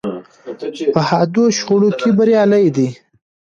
په حادو شخړو کې بریالۍ ده.